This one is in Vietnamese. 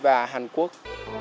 và hàn quốc